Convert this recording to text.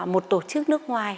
một tổ chức nước ngoài